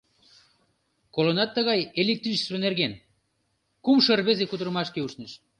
Колынат тыгай «электричество» нерген? — кумшо рвезе кутырымашке ушныш.